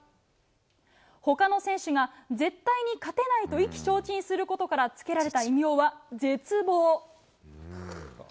他の選手が絶対に勝てないと意気消沈することからつけられた異名は、絶望。